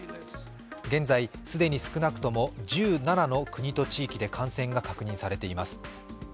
現在、既に少なくとも１７の国と地域で感染が確認されています。